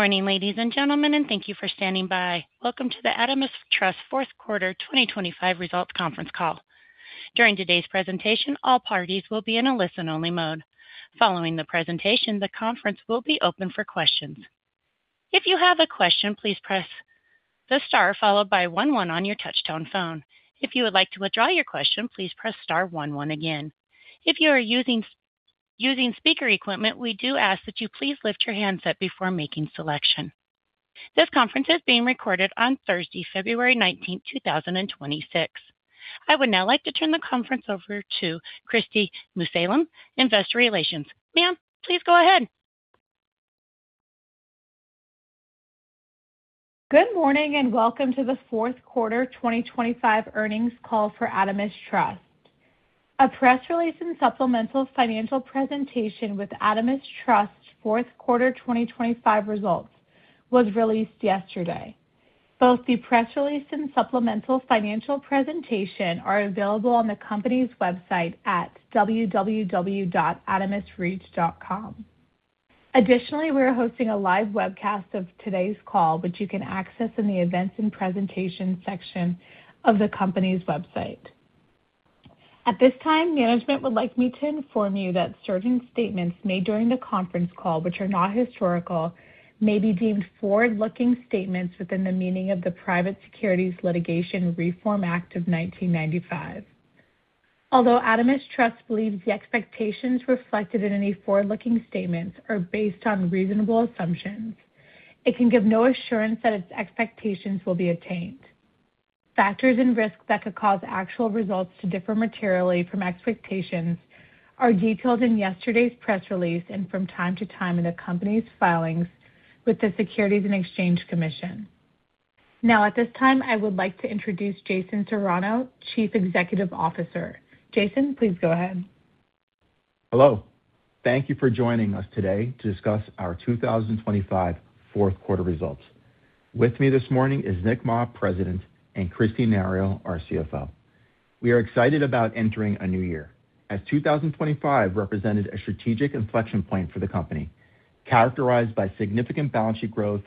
Good morning, ladies and gentlemen, and thank you for standing by. Welcome to the AdamasTrust Fourth Quarter 2025 Results Conference Call. During today's presentation, all parties will be in a listen-only mode. Following the presentation, the conference will be open for questions. If you have a question, please press the star followed by one one on your touchtone phone. If you would like to withdraw your question, please press star one one again. If you are using speaker equipment, we do ask that you please lift your handset before making selection. This conference is being recorded on Thursday, February 19th, 2026. I would now like to turn the conference over to Kristi Mussallem, Investor Relations. Ma'am, please go ahead. Good morning, and welcome to the fourth quarter 2025 earnings call for Adamas Trust. A press release and supplemental financial presentation with Adamas Trust's fourth quarter 2025 results was released yesterday. Both the press release and supplemental financial presentation are available on the company's website at www.adamasreit.com. Additionally, we are hosting a live webcast of today's call, which you can access in the Events and Presentation section of the company's website. At this time, management would like me to inform you that certain statements made during the conference call, which are not historical, may be deemed forward-looking statements within the meaning of the Private Securities Litigation Reform Act of 1995. Although Adamas Trust believes the expectations reflected in any forward-looking statements are based on reasonable assumptions, it can give no assurance that its expectations will be attained. Factors and risks that could cause actual results to differ materially from expectations are detailed in yesterday's press release and from time to time in the company's filings with the Securities and Exchange Commission. Now, at this time, I would like to introduce Jason Serrano, Chief Executive Officer. Jason, please go ahead. Hello. Thank you for joining us today to discuss our 2025 fourth quarter results. With me this morning is Nick Mah, President, and Kristine Nario, our CFO. We are excited about entering a new year, as 2025 represented a strategic inflection point for the company, characterized by significant balance sheet growth,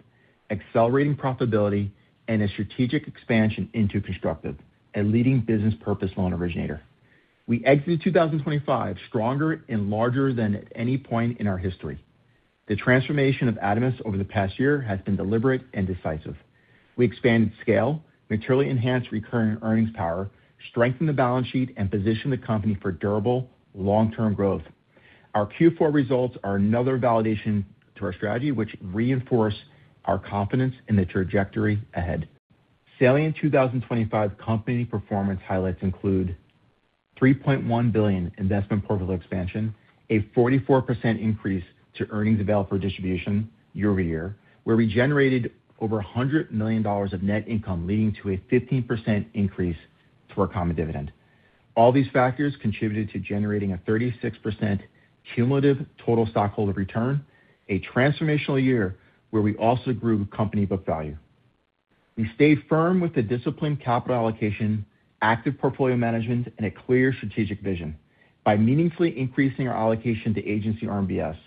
accelerating profitability, and a strategic expansion into Constructive, a leading business purpose loan originator. We exited 2025 stronger and larger than at any point in our history. The transformation of Adamas over the past year has been deliberate and decisive. We expanded scale, materially enhanced recurring earnings power, strengthened the balance sheet, and positioned the company for durable long-term growth. Our Q4 results are another validation to our strategy, which reinforce our confidence in the trajectory ahead. Salient 2025 company performance highlights include $3.1 billion investment portfolio expansion, a 44% increase to earnings available for distribution year-over-year, where we generated over $100 million of net income, leading to a 15% increase to our common dividend. All these factors contributed to generating a 36% cumulative total stockholder return, a transformational year where we also grew company book value. We stayed firm with the disciplined capital allocation, active portfolio management, and a clear strategic vision. By meaningfully increasing our allocation to Agency RMBS,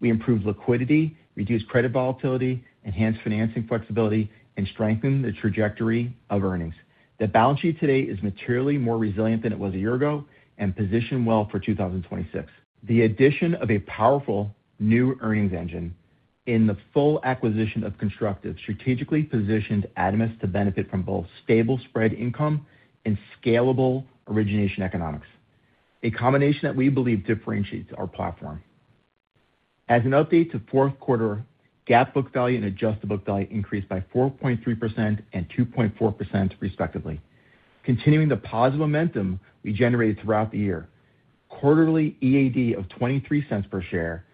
we improved liquidity, reduced credit volatility, enhanced financing flexibility, and strengthened the trajectory of earnings. The balance sheet today is materially more resilient than it was a year ago and positioned well for 2026. The addition of a powerful new earnings engine in the full acquisition of Constructive strategically positioned Adamas to benefit from both stable spread income and scalable origination economics, a combination that we believe differentiates our platform. As an update to fourth quarter, GAAP book value and adjusted book value increased by 4.3% and 2.4%, respectively. Continuing the positive momentum we generated throughout the year, quarterly EAAD of $0.23 per share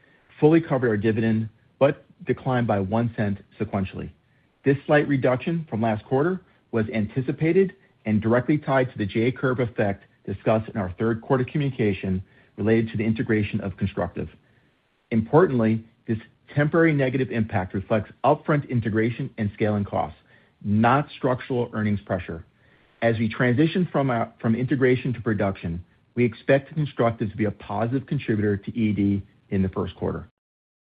fully covered our dividend, but declined by $0.01 sequentially. This slight reduction from last quarter was anticipated and directly tied to the J-curve effect discussed in our third quarter communication related to the integration of Constructive. Importantly, this temporary negative impact reflects upfront integration and scaling costs, not structural earnings pressure. As we transition from from integration to production, we expect Constructive to be a positive contributor to EAAD in the first quarter.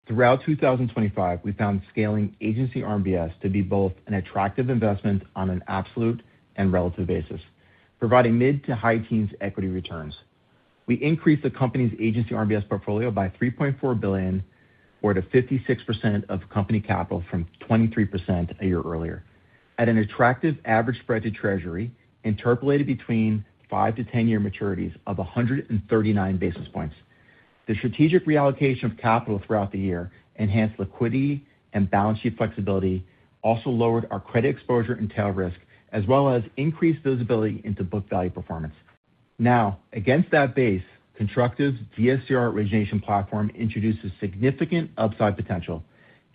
Throughout 2025, we found scaling agency RMBS to be both an attractive investment on an absolute and relative basis, providing mid- to high-teens equity returns. We increased the company's agency RMBS portfolio by $3.4 billion, or to 56% of company capital, from 23% a year earlier, at an attractive average spread to Treasury, interpolated between five to 10-year maturities of 139 basis points. The strategic reallocation of capital throughout the year enhanced liquidity and balance sheet flexibility, also lowered our credit exposure and tail risk, as well as increased visibility into book value performance. Now, against that base, Constructive's DSCR origination platform introduces significant upside potential.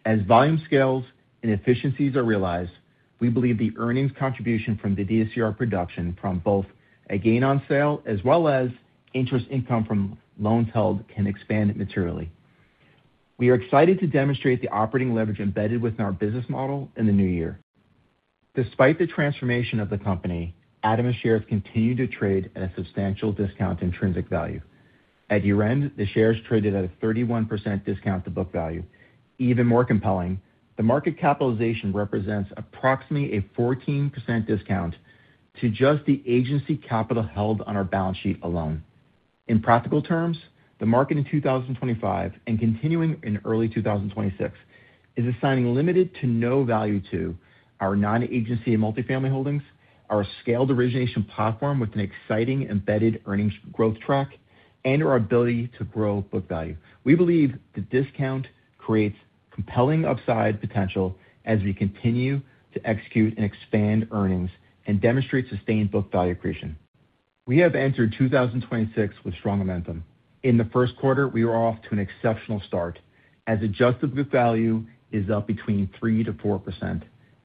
As volume scales and efficiencies are realized, we believe the earnings contribution from the DSCR production from both a gain on sale as well as interest income from loans held can expand materially. We are excited to demonstrate the operating leverage embedded within our business model in the new year. Despite the transformation of the company, Adamas shares continue to trade at a substantial discount to intrinsic value. At year-end, the shares traded at a 31% discount to book value. Even more compelling, the market capitalization represents approximately a 14% discount to just the agency capital held on our balance sheet alone. In practical terms, the market in 2025, and continuing in early 2026, is assigning limited to no value to our non-agency and multifamily holdings, our scaled origination platform with an exciting embedded earnings growth track, and our ability to grow book value. We believe the discount creates compelling upside potential as we continue to execute and expand earnings and demonstrate sustained book value creation. We have entered 2026 with strong momentum. In the first quarter, we were off to an exceptional start, as Adjusted Book Value is up between 3%-4%.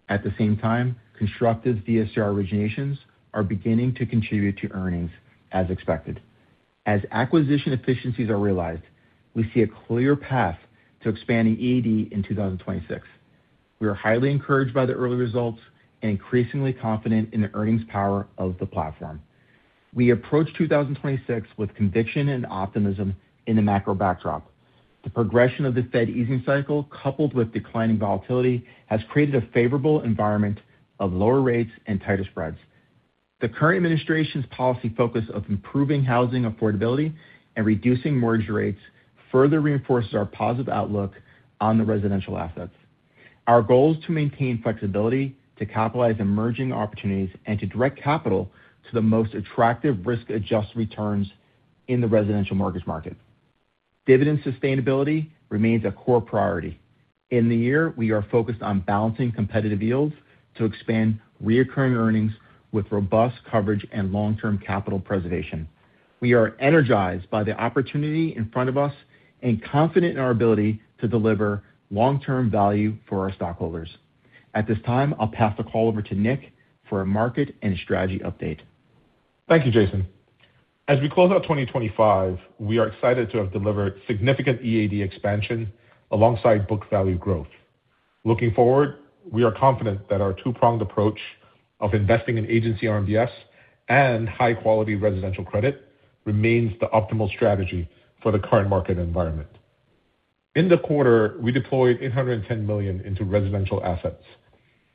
At the same time, Constructive DSCR originations are beginning to contribute to earnings as expected. As acquisition efficiencies are realized, we see a clear path to expanding EAD in 2026. We are highly encouraged by the early results and increasingly confident in the earnings power of the platform. We approach 2026 with conviction and optimism in the macro backdrop. The progression of the Fed easing cycle, coupled with declining volatility, has created a favorable environment of lower rates and tighter spreads. The current administration's policy focus of improving housing affordability and reducing mortgage rates further reinforces our positive outlook on the residential assets. Our goal is to maintain flexibility, to capitalize emerging opportunities, and to direct capital to the most attractive risk-adjusted returns in the residential mortgage market. Dividend sustainability remains a core priority. In the year, we are focused on balancing competitive yields to expand recurring earnings with robust coverage and long-term capital preservation. We are energized by the opportunity in front of us and confident in our ability to deliver long-term value for our stockholders. At this time, I'll pass the call over to Nick for a market and strategy update. Thank you, Jason. As we close out 2025, we are excited to have delivered significant EAD expansion alongside book value growth. Looking forward, we are confident that our two-pronged approach of investing in Agency RMBS and high-quality residential credit remains the optimal strategy for the current market environment. In the quarter, we deployed $810 million into residential assets,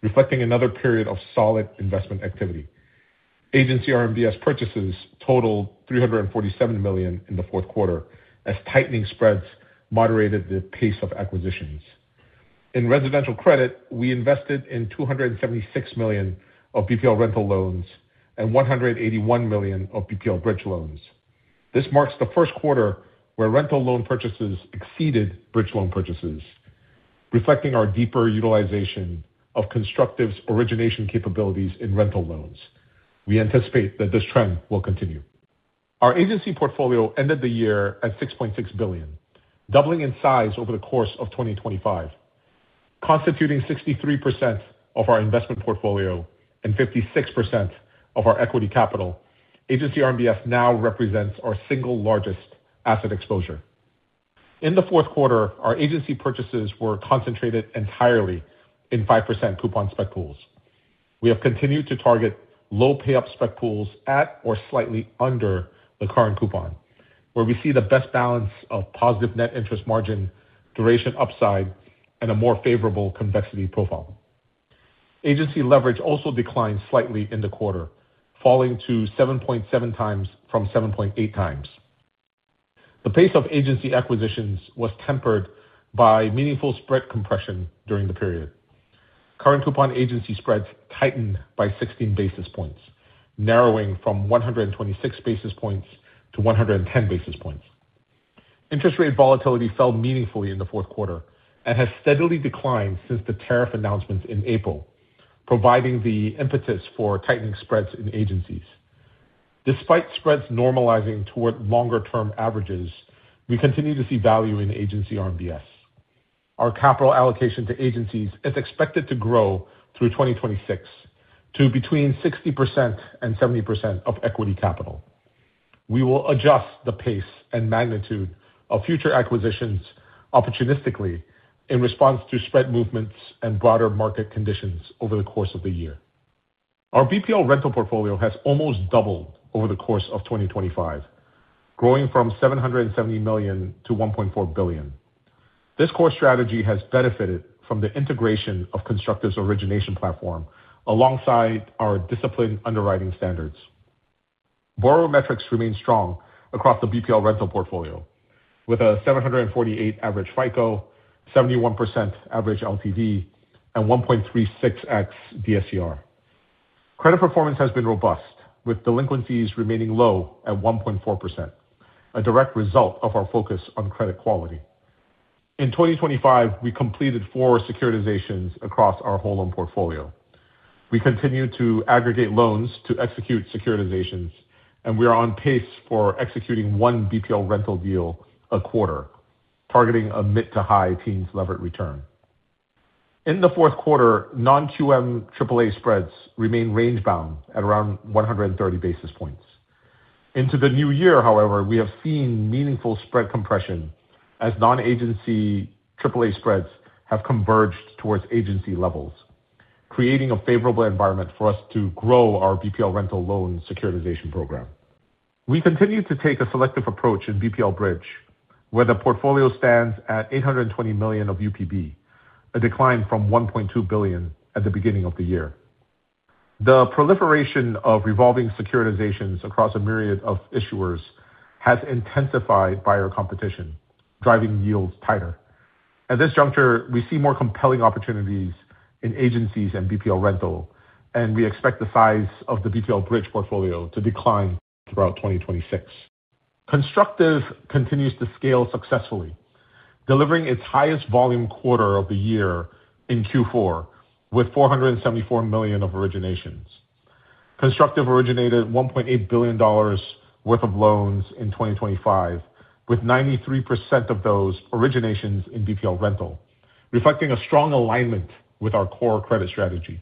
reflecting another period of solid investment activity. Agency RMBS purchases totaled $347 million in the fourth quarter, as tightening spreads moderated the pace of acquisitions. In residential credit, we invested in $276 million of BPL rental loans and $181 million of BPL bridge loans. This marks the first quarter where rental loan purchases exceeded bridge loan purchases, reflecting our deeper utilization of Constructive origination capabilities in rental loans. We anticipate that this trend will continue. Our agency portfolio ended the year at $6.6 billion, doubling in size over the course of 2025, constituting 63% of our investment portfolio and 56% of our equity capital. Agency RMBS now represents our single largest asset exposure. In the fourth quarter, our agency purchases were concentrated entirely in 5% coupon spec pools. We have continued to target low payup spec pools at or slightly under the current coupon, where we see the best balance of positive net interest margin, duration upside, and a more favorable convexity profile. Agency leverage also declined slightly in the quarter, falling to 7.7xfrom 7.8x. The pace of agency acquisitions was tempered by meaningful spread compression during the period. Current coupon Agency spreads tightened by 16 basis points, narrowing from 126 basis points to 110 basis points. Interest rate volatility fell meaningfully in the fourth quarter and has steadily declined since the tariff announcements in April, providing the impetus for tightening spreads in agencies. Despite spreads normalizing toward longer-term averages, we continue to see value in Agency RMBS. Our capital allocation to agencies is expected to grow through 2026 to between 60% and 70% of equity capital. We will adjust the pace and magnitude of future acquisitions opportunistically in response to spread movements and broader market conditions over the course of the year. Our BPL rental portfolio has almost doubled over the course of 2025, growing from $770 million to $1.4 billion. This core strategy has benefited from the integration of Constructive's origination platform alongside our disciplined underwriting standards. Borrower metrics remain strong across the BPL rental portfolio, with a 748 average FICO, 71% average LTV, and 1.36x DSCR. Credit performance has been robust, with delinquencies remaining low at 1.4%, a direct result of our focus on credit quality. In 2025, we completed 4 securitizations across our whole loan portfolio. We continue to aggregate loans to execute securitizations, and we are on pace for executing one BPL rental deal a quarter, targeting a mid- to high-teens levered return. In the fourth quarter, non-QM AAA spreads remained range-bound at around 130 basis points. Into the new year, however, we have seen meaningful spread compression as non-agency AAA spreads have converged towards agency levels, creating a favorable environment for us to grow our BPL rental loan securitization program. We continue to take a selective approach in BPL Bridge, where the portfolio stands at $820 million of UPB, a decline from $1.2 billion at the beginning of the year. The proliferation of revolving securitizations across a myriad of issuers has intensified buyer competition, driving yields tighter. At this juncture, we see more compelling opportunities in agencies and BPL rental, and we expect the size of the BPL Bridge portfolio to decline throughout 2026. Constructive continues to scale successfully, delivering its highest volume quarter of the year in Q4, with $474 million of originations. Constructive originated $1.8 billion worth of loans in 2025, with 93% of those originations in BPL rental, reflecting a strong alignment with our core credit strategy.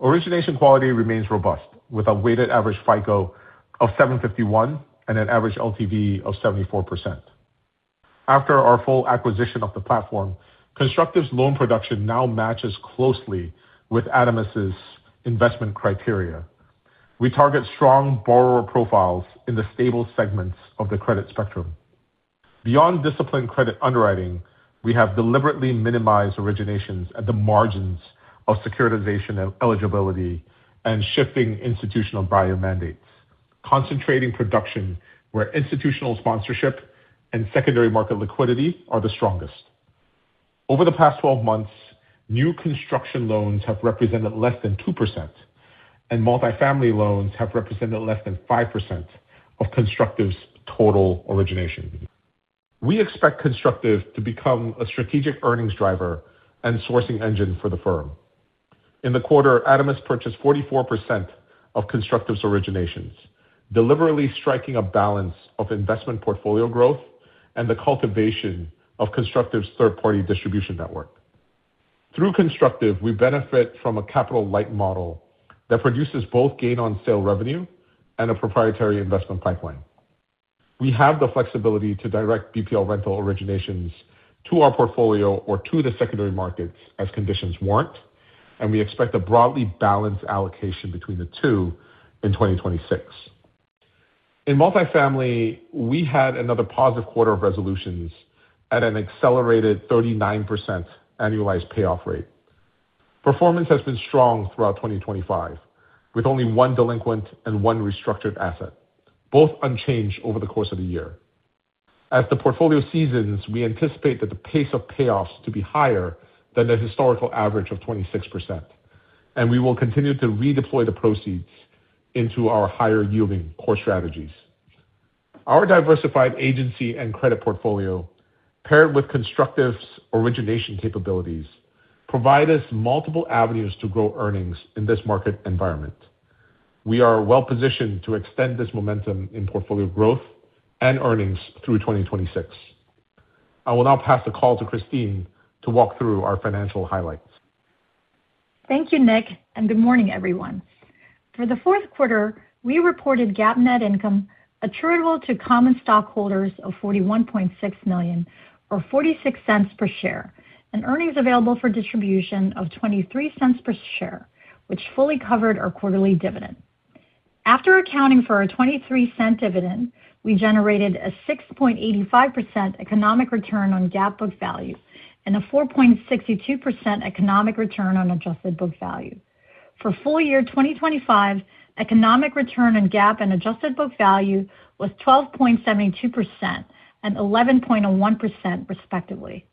Origination quality remains robust, with a weighted average FICO of 751 and an average LTV of 74%. After our full acquisition of the platform, Constructive's loan production now matches closely with Adamas's investment criteria. We target strong borrower profiles in the stable segments of the credit spectrum. Beyond disciplined credit underwriting, we have deliberately minimized originations at the margins of securitization and eligibility and shifting institutional buyer mandates, concentrating production where institutional sponsorship and secondary market liquidity are the strongest. Over the past 12 months, new construction loans have represented less than 2%, and multifamily loans have represented less than 5% of Constructive's total origination. We expect Constructive to become a strategic earnings driver and sourcing engine for the firm. In the quarter, Adamas purchased 44% of Constructive's originations, deliberately striking a balance of investment portfolio growth and the cultivation of Constructive's third-party distribution network. Through Constructive, we benefit from a capital-light model that produces both gain on sale revenue and a proprietary investment pipeline. We have the flexibility to direct BPL rental originations to our portfolio or to the secondary markets as conditions warrant, and we expect a broadly balanced allocation between the two in 2026. In multifamily, we had another positive quarter of resolutions at an accelerated 39% annualized payoff rate. Performance has been strong throughout 2025, with only one delinquent and one restructured asset, both unchanged over the course of the year. As the portfolio seasons, we anticipate that the pace of payoffs to be higher than the historical average of 26%, and we will continue to redeploy the proceeds into our higher-yielding core strategies. Our diversified agency and credit portfolio, paired with Constructive's origination capabilities, provide us multiple avenues to grow earnings in this market environment. We are well positioned to extend this momentum in portfolio growth and earnings through 2026. I will now pass the call to Kristine to walk through our financial highlights. Thank you, Nick, and good morning, everyone. For the fourth quarter, we reported GAAP net income attributable to common stockholders of $41.6 million or $0.46 per share, and earnings available for distribution of $0.23 per share, which fully covered our quarterly dividend. After accounting for our $0.23 dividend, we generated a 6.85% economic return on GAAP book value and a 4.62% economic return on adjusted book value. For full year 2025, economic return on GAAP and adjusted book value was 12.72% and 11.1%, respectively.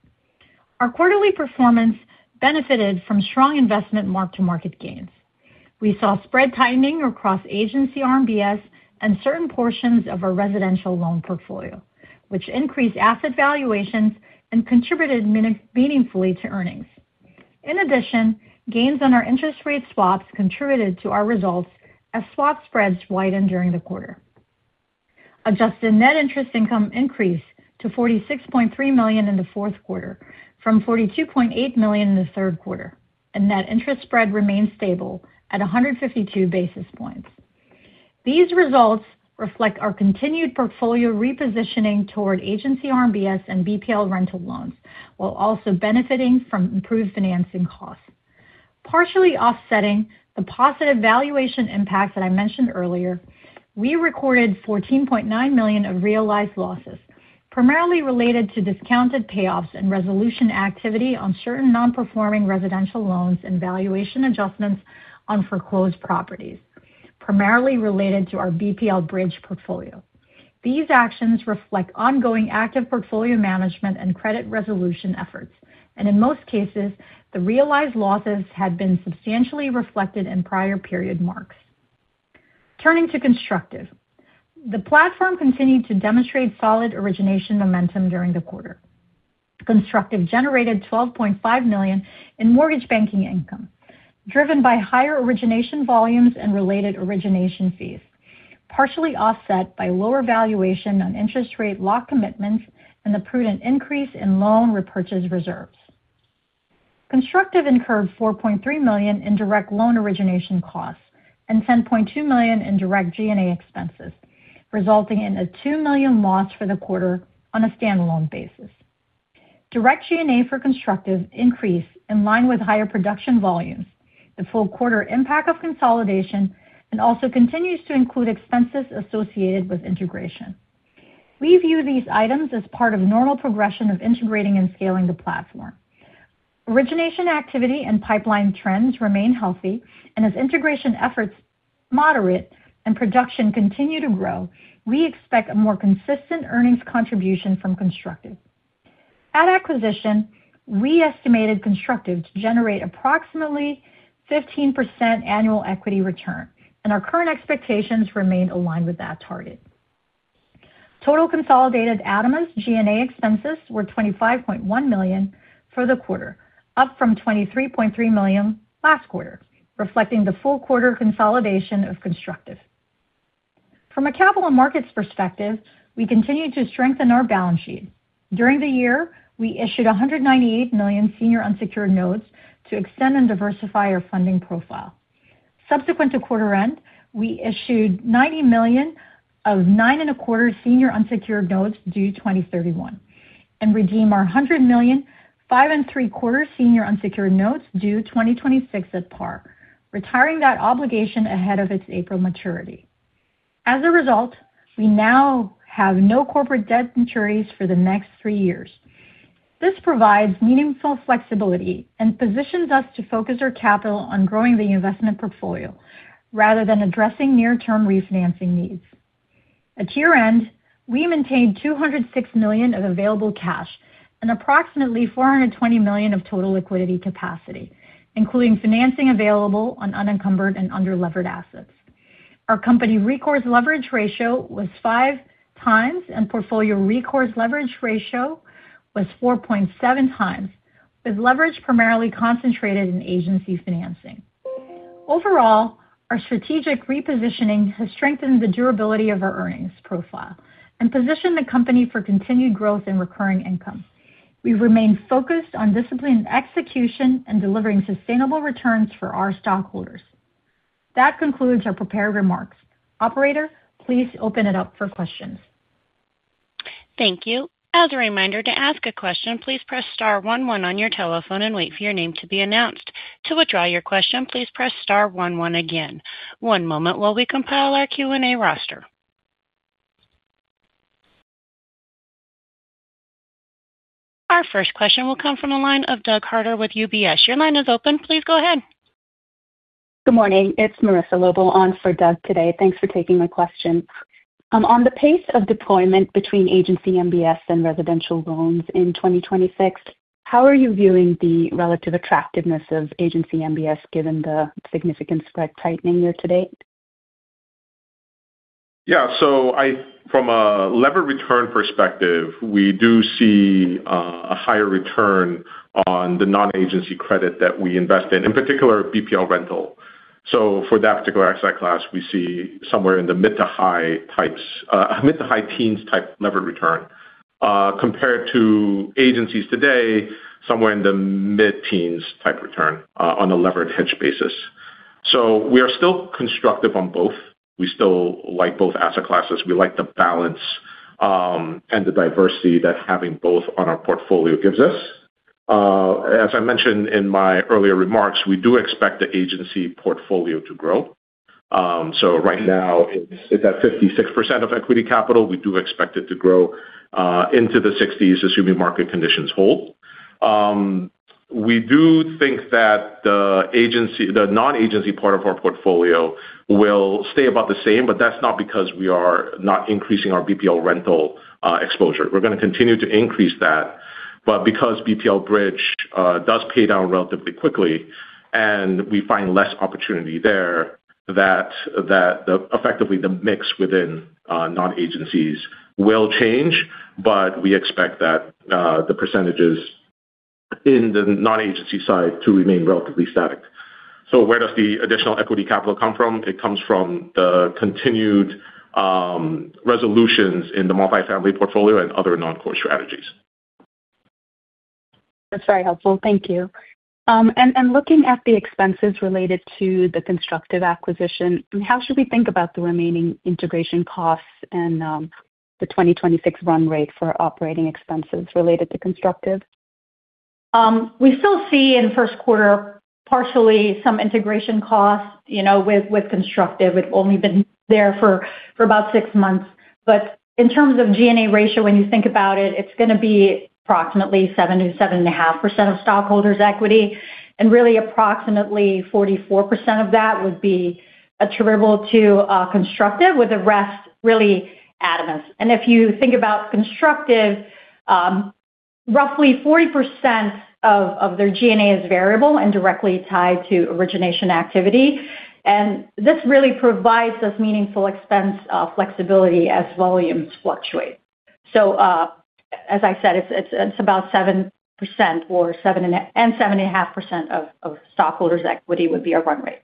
Our quarterly performance benefited from strong investment mark-to-market gains. We saw spread tightening across Agency RMBS and certain portions of our residential loan portfolio, which increased asset valuations and contributed meaningfully to earnings. In addition, gains on our interest rate swaps contributed to our results as swap spreads widened during the quarter. Adjusted net interest income increased to $46.3 million in the fourth quarter from $42.8 million in the third quarter, and net interest spread remained stable at 152 basis points. These results reflect our continued portfolio repositioning toward Agency RMBS and BPL rental loans, while also benefiting from improved financing costs. Partially offsetting the positive valuation impact that I mentioned earlier, we recorded $14.9 million of realized losses, primarily related to discounted payoffs and resolution activity on certain non-performing residential loans and valuation adjustments on foreclosed properties, primarily related to our BPL Bridge portfolio. These actions reflect ongoing active portfolio management and credit resolution efforts, and in most cases, the realized losses had been substantially reflected in prior period marks. Turning to Constructive, the platform continued to demonstrate solid origination momentum during the quarter. Constructive generated $12.5 million in mortgage banking income, driven by higher origination volumes and related origination fees, partially offset by lower valuation on interest rate lock commitments and the prudent increase in loan repurchase reserves. Constructive incurred $4.3 million in direct loan origination costs and $10.2 million in direct G&A expenses, resulting in a $2 million loss for the quarter on a standalone basis. Direct G&A for Constructive increased in line with higher production volumes, the full quarter impact of consolidation, and also continues to include expenses associated with integration. We view these items as part of normal progression of integrating and scaling the platform. Origination activity and pipeline trends remain healthy, and as integration efforts moderate and production continue to grow, we expect a more consistent earnings contribution from Constructive. At acquisition, we estimated Constructive to generate approximately 15% annual equity return, and our current expectations remain aligned with that target. Total consolidated Adamas G&A expenses were $25.1 million for the quarter, up from $23.3 million last quarter, reflecting the full quarter consolidation of Constructive. From a capital markets perspective, we continue to strengthen our balance sheet. During the year, we issued $198 million senior unsecured notes to extend and diversify our funding profile. Subsequent to quarter end, we issued $90 million of 9.25% senior unsecured notes due 2031, and redeem our $100 million, 5.75% senior unsecured notes due 2026 at par, retiring that obligation ahead of its April maturity. As a result, we now have no corporate debt maturities for the next three years. This provides meaningful flexibility and positions us to focus our capital on growing the investment portfolio rather than addressing near-term refinancing needs. At year-end, we maintained $206 million of available cash and approximately $420 million of total liquidity capacity, including financing available on unencumbered and underlevered assets. Our company recourse leverage ratio was 5x, and portfolio recourse leverage ratio was 4.7x, with leverage primarily concentrated in agency financing. Overall, our strategic repositioning has strengthened the durability of our earnings profile and positioned the company for continued growth in recurring income. We remain focused on disciplined execution and delivering sustainable returns for our stockholders. That concludes our prepared remarks. Operator, please open it up for questions. Thank you. As a reminder, to ask a question, please press star one one on your telephone and wait for your name to be announced. To withdraw your question, please press star one one again. One moment while we compile our Q&A roster. Our first question will come from the line of Doug Harter with UBS. Your line is open. Please go ahead. Good morning, it's Marissa Lobel on for Doug today. Thanks for taking my question. On the pace of deployment between Agency MBS and residential loans in 2026, how are you viewing the relative attractiveness of Agency MBS given the significant spread tightening year to date? Yeah, so from a levered return perspective, we do see a higher return on the non-agency credit that we invest in, in particular, BPL rental. So for that particular asset class, we see somewhere in the mid- to high-teens-type levered return, compared to agencies today, somewhere in the mid-teens-type return, on a levered hedge basis. So we are still constructive on both. We still like both asset classes. We like the balance and the diversity that having both on our portfolio gives us. As I mentioned in my earlier remarks, we do expect the agency portfolio to grow. So right now it's at 56% of equity capital. We do expect it to grow into the 60s, assuming market conditions hold. We do think that the agency, the non-agency part of our portfolio will stay about the same, but that's not because we are not increasing our BPL rental exposure. We're gonna continue to increase that, but because BPL Bridge does pay down relatively quickly and we find less opportunity there, that effectively the mix within non-agencies will change, but we expect that the percentages in the non-agency side to remain relatively static. So where does the additional equity capital come from? It comes from the continued resolutions in the multifamily portfolio and other non-core strategies. That's very helpful. Thank you. And looking at the expenses related to the Constructive acquisition, how should we think about the remaining integration costs and the 2026 run rate for operating expenses related to Constructive? We still see in the first quarter, partially some integration costs, you know, with Constructive. It's only been there for about six months. But in terms of G&A ratio, when you think about it, it's gonna be approximately 7%-7.5% of stockholders' equity, and really approximately 44% of that would be attributable to Constructive, with the rest, really, Adamas. And if you think about Constructive, roughly 40% of their G&A is variable and directly tied to origination activity. And this really provides us meaningful expense flexibility as volumes fluctuate. So, as I said, it's about 7% or 7.5% of stockholders' equity would be our run rate.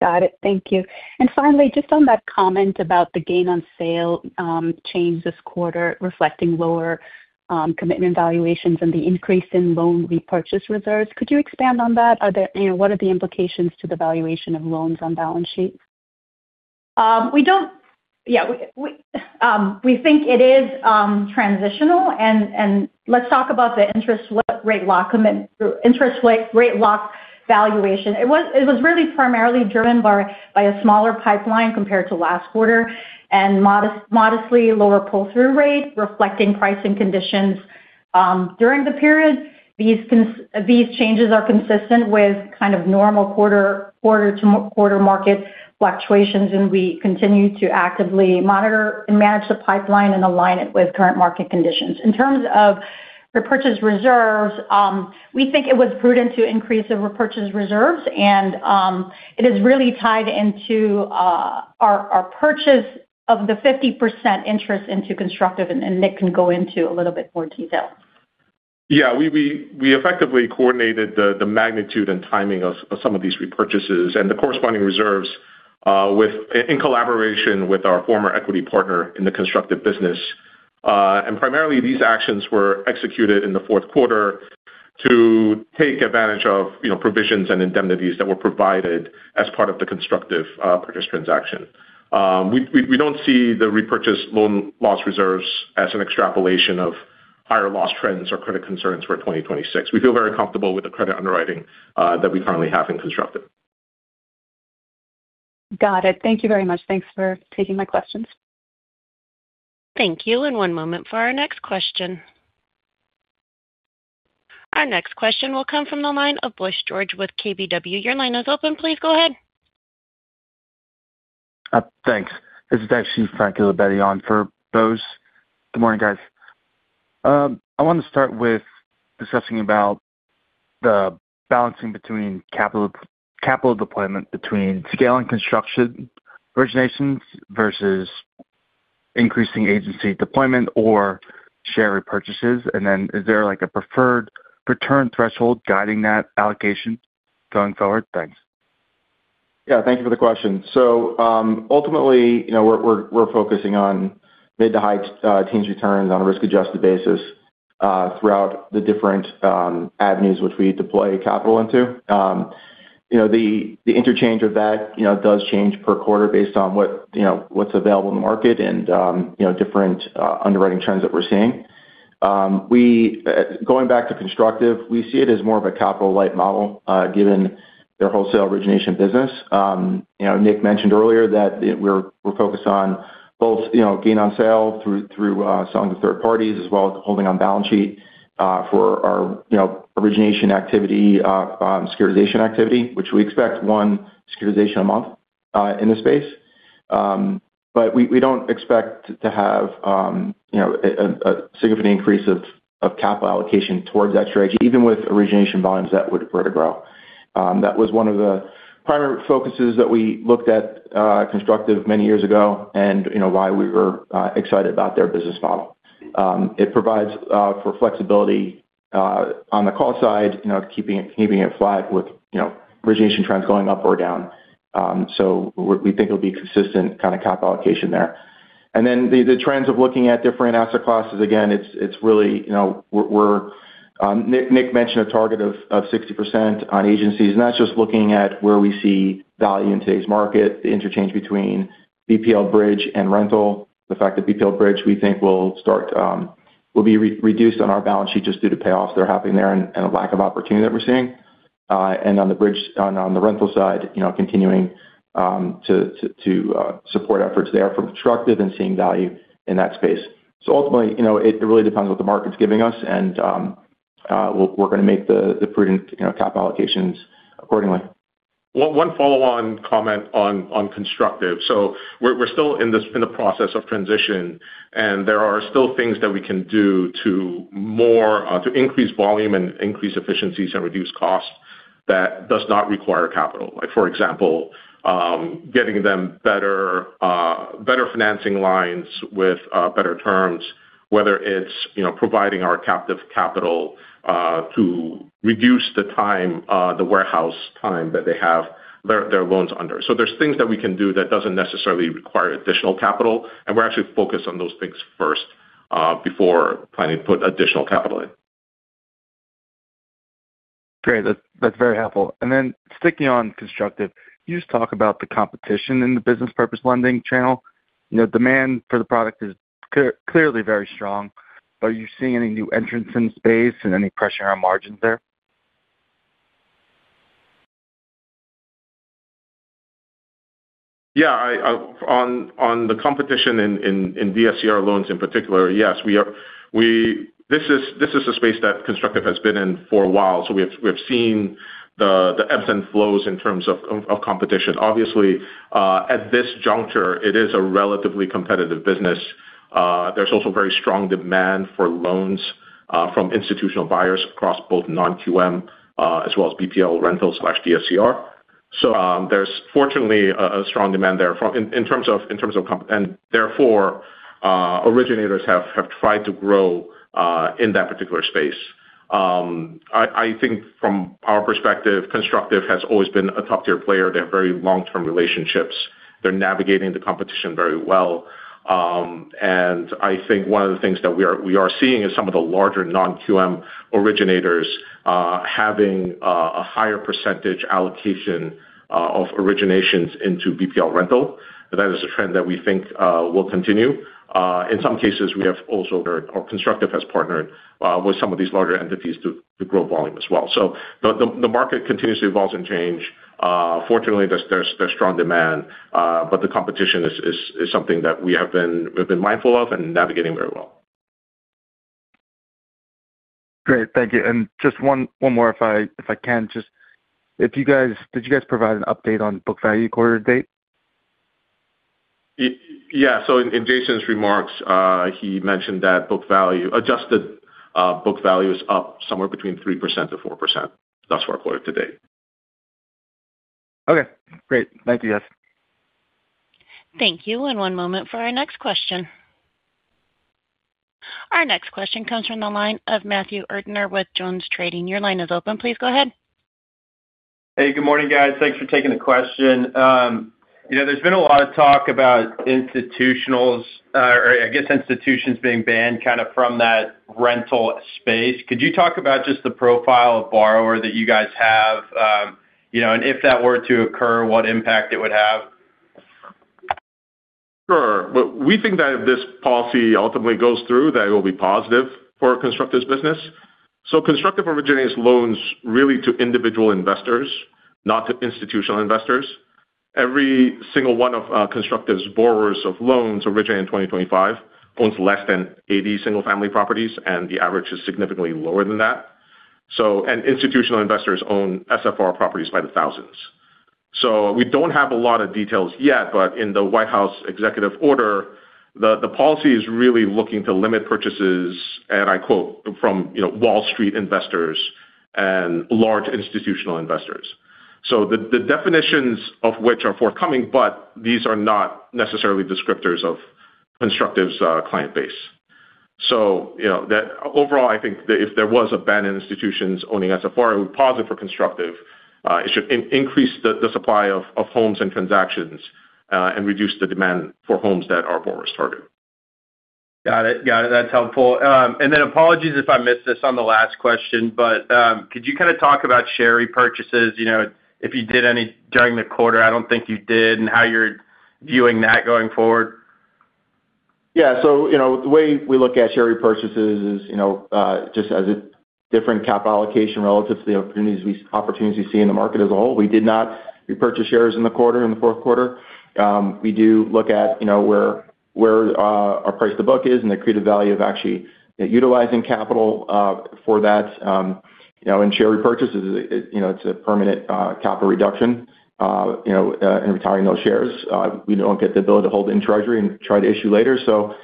Got it. Thank you. And finally, just on that comment about the gain on sale, change this quarter, reflecting lower, commitment valuations and the increase in loan repurchase reserves, could you expand on that? Are there, you know, what are the implications to the valuation of loans on balance sheet? We don't-- Yeah, we think it is transitional. Let's talk about the interest rate lock commit, interest rate lock valuation. It was really primarily driven by a smaller pipeline compared to last quarter and modestly lower pull-through rate, reflecting pricing conditions during the period. These changes are consistent with kind of normal quarter-to-quarter market fluctuations, and we continue to actively monitor and manage the pipeline and align it with current market conditions. In terms of repurchase reserves, we think it was prudent to increase the repurchase reserves, and it is really tied into our purchase of the 50% interest into Constructive, and Nick can go into a little bit more detail. Yeah, we effectively coordinated the magnitude and timing of some of these repurchases and the corresponding reserves, with, in collaboration with our former equity partner in the Constructive business. And primarily, these actions were executed in the fourth quarter to take advantage of, you know, provisions and indemnities that were provided as part of the Constructive purchase transaction. We don't see the repurchase loan loss reserves as an extrapolation of higher loss trends or credit concerns for 2026. We feel very comfortable with the credit underwriting that we currently have in Constructive. Got it. Thank you very much. Thanks for taking my questions. Thank you. One moment for our next question. Our next question will come from the line of Bose George with KBW. Your line is open. Please go ahead. Thanks. It's actually Frank Libetti on for Bose. Good morning, guys. I want to start with discussing about the balancing between capital, capital deployment, between scale and Constructive originations versus increasing agency deployment or share repurchases. Then is there like, a preferred return threshold guiding that allocation going forward? Thanks. Yeah, thank you for the question. So, ultimately, you know, we're focusing on mid- to high-teens returns on a risk-adjusted basis throughout the different avenues which we deploy capital into. You know, the interchange of that, you know, does change per quarter based on what, you know, what's available in the market and, you know, different underwriting trends that we're seeing. Going back to Constructive, we see it as more of a capital-light model given their wholesale origination business. You know, Nick mentioned earlier that we're focused on both, you know, gain on sale through selling to third parties, as well as holding on balance sheet for our origination activity, securitization activity, which we expect one securitization a month in this space. But we don't expect to have, you know, a significant increase of capital allocation towards that strategy, even with origination volumes that were to grow. That was one of the primary focuses that we looked at, Constructive many years ago, and you know, why we were excited about their business model. It provides for flexibility on the capital side, you know, keeping it flat with origination trends going up or down. So we think it'll be consistent kind of capital allocation there. And then the trends of looking at different asset classes, again, it's really, you know, we're Nick mentioned a target of 60% on agencies, and that's just looking at where we see value in today's market, the interchange between BPL Bridge and rental. The fact that BPL Bridge, we think will be reduced on our balance sheet just due to payoffs that are happening there and a lack of opportunity that we're seeing. And on the rental side, you know, continuing to support efforts there from Constructive and seeing value in that space. So ultimately, you know, it really depends what the market's giving us, and we're gonna make the prudent, you know, capital allocations accordingly. One follow-on comment on Constructive. So we're still in the process of transition, and there are still things that we can do to more to increase volume and increase efficiencies and reduce costs that does not require capital. Like, for example, getting them better better financing lines with better terms, whether it's, you know, providing our captive capital to reduce the time the warehouse time that they have their their loans under. So there's things that we can do that doesn't necessarily require additional capital, and we're actually focused on those things first before planning to put additional capital in. Great. That's, that's very helpful. And then sticking on Constructive, you just talk about the competition in the business purpose lending channel. You know, demand for the product is clearly very strong. Are you seeing any new entrants in the space and any pressure on margins there? Yeah, on the competition in DSCR loans in particular, yes, this is a space that Constructive has been in for a while, so we have seen the ebbs and flows in terms of competition. Obviously, at this juncture, it is a relatively competitive business. There's also very strong demand for loans from institutional buyers across both non-QM as well as BPL rental/DSCR. So, there's fortunately a strong demand there from... In terms of comp, and therefore originators have tried to grow in that particular space. I think from our perspective, Constructive has always been a top-tier player. They have very long-term relationships. They're navigating the competition very well. And I think one of the things that we are, we are seeing is some of the larger non-QM originators having a higher percentage allocation of originations into BPL rental. That is a trend that we think will continue. In some cases, we have also or Constructive has partnered with some of these larger entities to grow volume as well. So the market continues to evolve and change. Fortunately, there's strong demand, but the competition is something that we have been we've been mindful of and navigating very well. Great. Thank you. Just one more if I can. Did you guys provide an update on book value quarter to date? Yeah. So in Jason's remarks, he mentioned that adjusted book value is up somewhere between 3%-4%, thus far quarter to date. Okay, great. Thank you, guys. Thank you. One moment for our next question. Our next question comes from the line of Matthew Erdner with Jones Trading. Your line is open. Please go ahead. Hey, good morning, guys. Thanks for taking the question. You know, there's been a lot of talk about institutionals, or I guess, institutions being banned kind of from that rental space. Could you talk about just the profile of borrower that you guys have? You know, and if that were to occur, what impact it would have? Sure. Well, we think that if this policy ultimately goes through, that it will be positive for Constructive's business. So Constructive originates loans really to individual investors, not to institutional investors. Every single one of Constructive's borrowers of loans originated in 2025 owns less than 80 single-family properties, and the average is significantly lower than that. So, and institutional investors own SFR properties by the thousands. So we don't have a lot of details yet, but in the White House executive order, the policy is really looking to limit purchases, and I quote, "From, you know, Wall Street investors and large institutional investors." So the definitions of which are forthcoming, but these are not necessarily descriptors of Constructive's client base. So, you know, that overall, I think that if there was a ban on institutions owning SFR, it would be positive for Constructive. It should increase the supply of homes and transactions, and reduce the demand for homes that our borrowers target. Got it. Got it. That's helpful. And then apologies if I missed this on the last question, but, could you kind of talk about share repurchases, you know, if you did any during the quarter? I don't think you did, and how you're viewing that going forward. Yeah, so, you know, the way we look at share repurchases is, you know, just as a different capital allocation relative to the opportunities we see in the market as a whole. We did not repurchase shares in the quarter, in the fourth quarter. We do look at, you know, where our price to book is, and the creative value of actually utilizing capital for that. You know, in share repurchases, it, you know, it's a permanent capital reduction, you know, in retiring those shares. We don't get the ability to hold in treasury and try to issue later. So,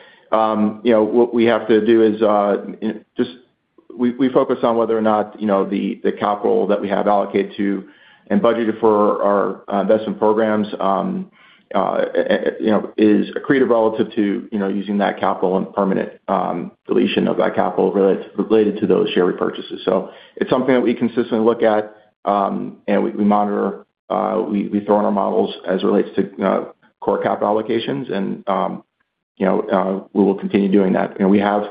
you know, what we have to do is just -- we focus on whether or not, you know, the capital that we have allocated to and budgeted for our investment programs, you know, is accretive relative to, you know, using that capital and permanent deletion of that capital related to those share repurchases. So it's something that we consistently look at, and we monitor, we throw in our models as it relates to core capital allocations, and, you know, we will continue doing that. You know, we have,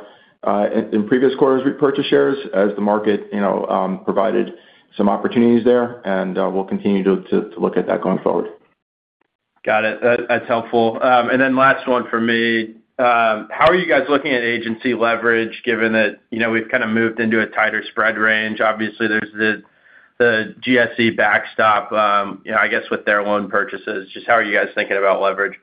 in previous quarters, repurchased shares as the market, you know, provided some opportunities there, and we'll continue to look at that going forward. Got it. That, that's helpful. Last one for me. How are you guys looking at agency leverage, given that, you know, we've kind of moved into a tighter spread range? Obviously, there's the GSE backstop, you know, I guess with their loan purchases. Just how are you guys thinking about leverage?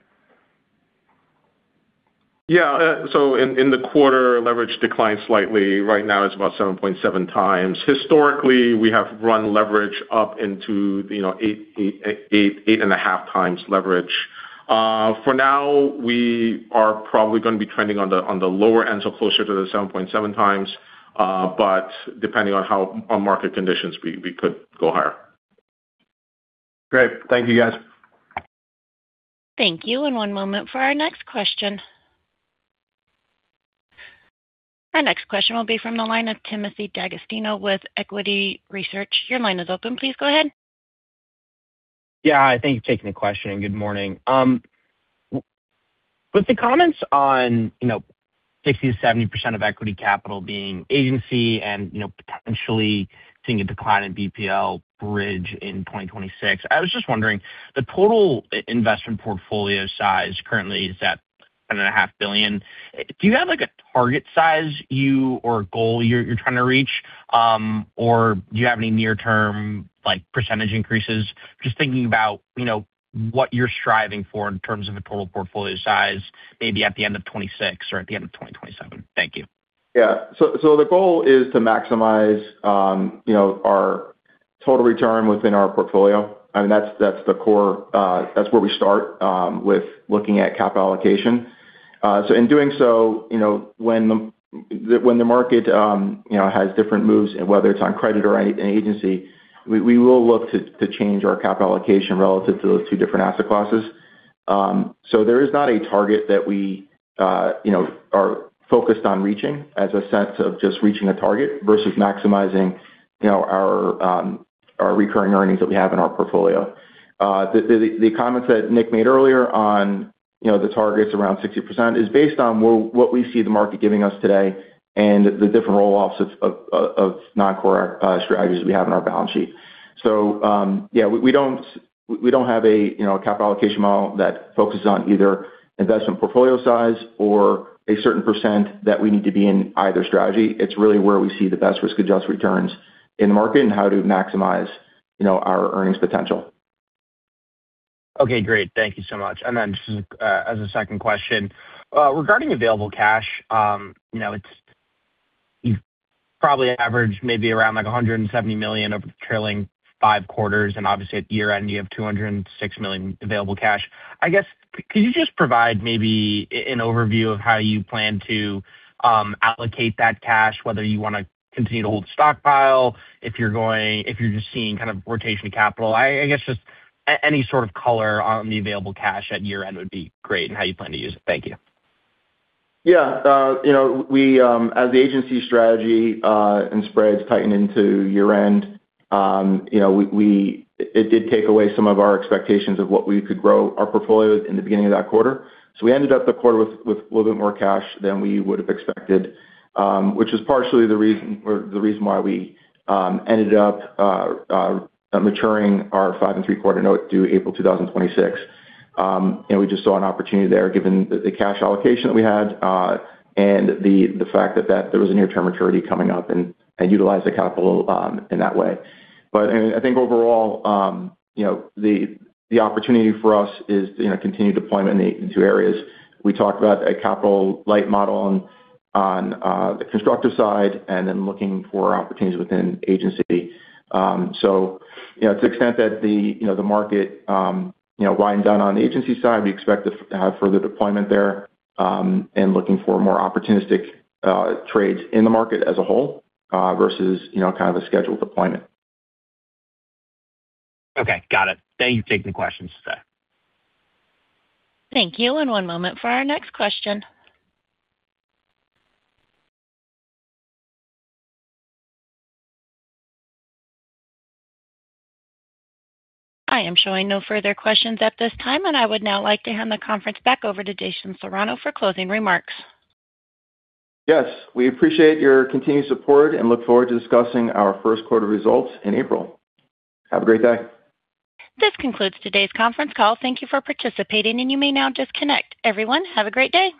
Yeah, so in the quarter, leverage declined slightly. Right now, it's about 7.7x. Historically, we have run leverage up into, you know, 8x-8.5x leverage. For now, we are probably going to be trending on the lower end, so closer to the 7.7x, but depending on market conditions, we could go higher. Great. Thank you, guys. Thank you. And one moment for our next question. Our next question will be from the line of Timothy D'Agostino with Equity Research. Your line is open. Please go ahead. Yeah, I thank you for taking the question. Good morning. With the comments on, you know, 60%-70% of equity capital being agency and, you know, potentially seeing a decline in BPL bridge in 2026, I was just wondering, the total investment portfolio size currently is at $10.5 billion. Do you have, like, a target size you or a goal you're, you're trying to reach? Or do you have any near-term, like, percentage increases? Just thinking about, you know, what you're striving for in terms of a total portfolio size, maybe at the end of 2026 or at the end of 2027. Thank you. Yeah. So the goal is to maximize, you know, our total return within our portfolio. I mean, that's the core. That's where we start with looking at capital allocation. So in doing so, you know, when the market has different moves and whether it's on credit or an agency, we will look to change our capital allocation relative to those two different asset classes. So there is not a target that we, you know, are focused on reaching as a sense of just reaching a target versus maximizing, you know, our recurring earnings that we have in our portfolio. The comments that Nick made earlier on, you know, the targets around 60% is based on what we see the market giving us today and the different roll-offs of non-core strategies we have in our balance sheet. So, yeah, we, we don't, we don't have a, you know, a capital allocation model that focuses on either investment portfolio size or a certain percent that we need to be in either strategy. It's really where we see the best risk-adjusted returns in the market and how to maximize, you know, our earnings potential. Okay, great. Thank you so much. And then just as a second question, regarding available cash, you know, you've probably averaged maybe around, like, $170 million over the trailing five quarters, and obviously, at the year-end, you have $206 million available cash. I guess, could you just provide maybe an overview of how you plan to allocate that cash, whether you wanna continue to hold the stockpile, if you're just seeing kind of rotation capital? I guess just any sort of color on the available cash at year-end would be great, and how you plan to use it. Thank you. Yeah. You know, we, as the agency strategy and spreads tightened into year-end, you know, we -- it did take away some of our expectations of what we could grow our portfolio in the beginning of that quarter. So we ended up the quarter with a little bit more cash than we would have expected, which is partially the reason, or the reason why we ended up maturing our 5.75 note due April 2026. And we just saw an opportunity there, given the cash allocation that we had, and the fact that there was a near-term maturity coming up and utilize the capital in that way. But I think overall, you know, the opportunity for us is, you know, continued deployment in the two areas. We talked about a capital-light model on the Constructive side and then looking for opportunities within Agency. So, you know, to the extent that the, you know, the market, you know, winds down on the Agency side, we expect to have further deployment there, and looking for more opportunistic trades in the market as a whole, versus, you know, kind of a scheduled deployment. Okay, got it. Thank you for taking the questions today. Thank you, and one moment for our next question. I am showing no further questions at this time, and I would now like to hand the conference back over to Jason Serrano for closing remarks. Yes, we appreciate your continued support and look forward to discussing our first quarter results in April. Have a great day. This concludes today's conference call. Thank you for participating, and you may now disconnect. Everyone, have a great day.